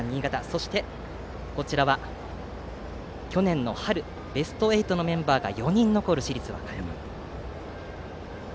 そして去年の春、ベスト８のメンバーが４人残る市立和歌山。